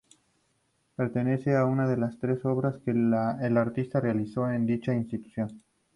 Pertenece a una de las tres obras que el artista realizó en dicha institución.